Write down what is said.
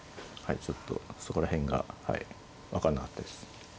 ちょっとそこら辺がはい分かんなかったです。